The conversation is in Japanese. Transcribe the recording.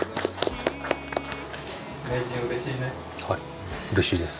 はい。